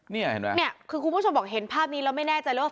เนี่ยคุณผู้ชมบอกเห็นภาพนี้แล้วไม่แน่ใจแล้วว่า